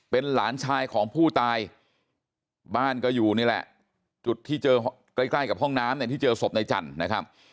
เป็นหลานชายของผู้ตายบ้านก็อยู่นี่แหละจุดที่เจอใกล้ใกล้กับห้องน้ำเนี่ยที่เจอศพในจันทร์นะครับ